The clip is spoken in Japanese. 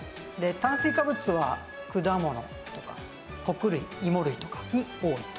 炭水化物は果物とか穀類いも類とかに多いと。